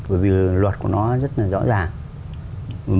bởi vì luật của nó rất là rõ ràng